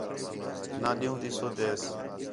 نہ ݙِین٘ہوں تی سُد ہِس